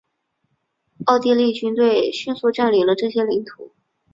奥地利军队迅速占领了这些领土。